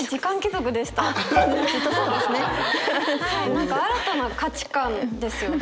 何か新たな価値観ですよね。